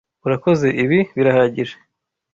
Urakoze, ibi birahagije.